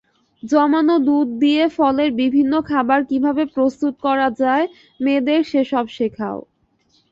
জমান দুধ দিয়ে ফলের বিভিন্ন খাবার কিভাবে প্রস্তুত করা যায়, মেয়েদের সে-সব শেখাও।